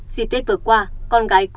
dịp tết vừa qua con gái cô